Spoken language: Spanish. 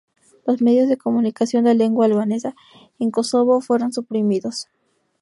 Los medios de comunicación de lengua albanesa en Kosovo fueron suprimidos.